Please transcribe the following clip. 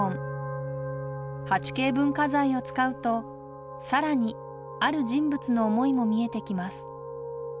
８Ｋ文化財を使うと更にある人物の想いも見えてきます。